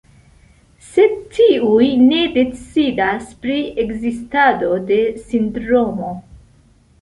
Sed tiuj ne decidas pri ekzistado de sindromo.